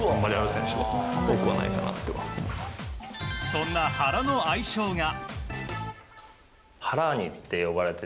そんな原の愛称が。